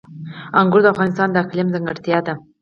انګور د افغانستان د اقلیم ځانګړتیا ده.